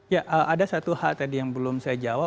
ya ada satu hal tadi yang belum saya jawab